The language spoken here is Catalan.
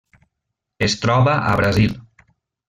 Es troba a Brasil.